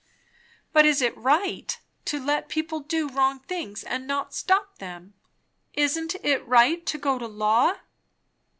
"But is it right to let people do wrong things and not stop them? Isn't it right to go to law?"